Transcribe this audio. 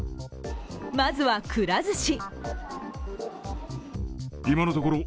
まずはくら寿司。